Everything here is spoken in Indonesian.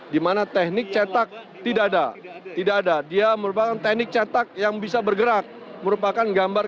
dimana teknik cetak tidak ada tidak ada dia merupakan teknik cetak yang bisa bergerak merupakan gambar